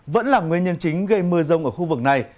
vẫn là nguyên nhân chính gây mưa rông ở khu vực này